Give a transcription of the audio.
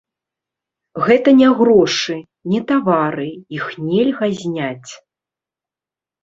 Гэта не грошы, не тавары, іх нельга зняць.